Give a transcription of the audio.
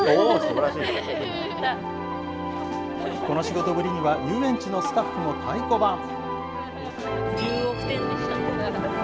この仕事ぶりには、遊園地のスタッフも太鼓判。